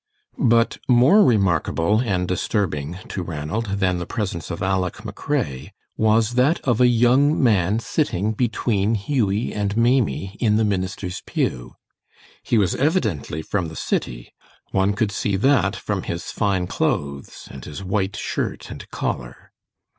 But more remarkable and disturbing to Ranald than the presence of Aleck McRae, was that of a young man sitting between Hughie and Maimie in the minister's pew. He was evidently from the city. One could see that from his fine clothes and his white shirt and collar.